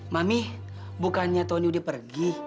mami bukannya tony udah pergi